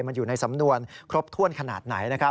มันอยู่ในสำนวนครบถ้วนขนาดไหน